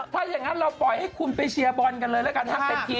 ถ้าอย่างนั้นเราปล่อยให้คุณไปเชียร์บอลกันเลยแล้วกันนะครับ